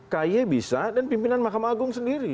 k y bisa dan pimpinan mahkamah agung sendiri